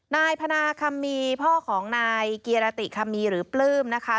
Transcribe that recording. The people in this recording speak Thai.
นายพนาคัมมีพ่อของนายเกียรติคัมมีหรือปลื้มนะคะ